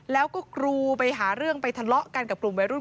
แล้วก็กรูไปหาเรื่องไปทะเลาะกันกับกลุ่มวัยรุ่น